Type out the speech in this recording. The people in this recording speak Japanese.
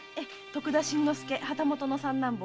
徳田新之助旗本の三男坊。